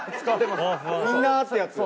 「みんな」ってやつ。